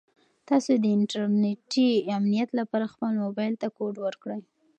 تاسو د انټرنیټي امنیت لپاره خپل موبایل ته کوډ ورکړئ.